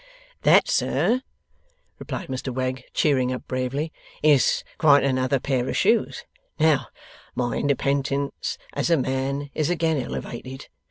'That, sir,' replied Mr Wegg, cheering up bravely, 'is quite another pair of shoes. Now, my independence as a man is again elevated.